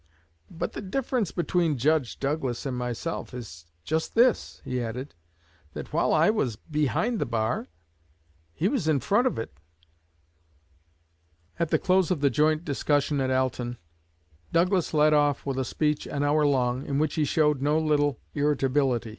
"But the difference between Judge Douglas and myself is just this," he added, "that while I was behind the bar, he was in front of it." At the close of the joint discussion at Alton, Douglas led off with a speech an hour long, in which he showed no little irritability.